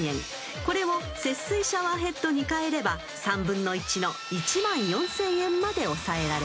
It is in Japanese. ［これを節水シャワーヘッドに換えれば３分の１の１万４，０００円まで抑えられる］